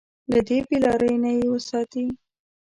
له دې بې لارۍ نه يې وساتي.